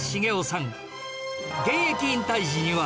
現役引退時には